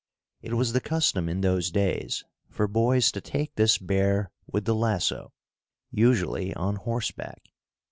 It was the custom in those days for boys to take this bear with the lasso, usually on horseback.